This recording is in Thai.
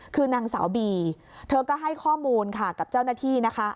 คือนางสาวบีเธอก็ให้ข้อมูลค่ะกับเจ้าหน้าที่นะคะ